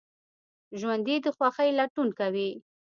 ژوندي د خوښۍ لټون کوي